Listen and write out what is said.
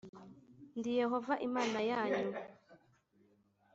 Ndi Yehova Imana yanyu